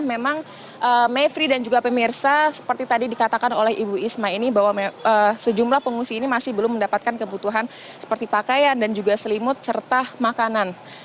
memang mevri dan juga pemirsa seperti tadi dikatakan oleh ibu isma ini bahwa sejumlah pengungsi ini masih belum mendapatkan kebutuhan seperti pakaian dan juga selimut serta makanan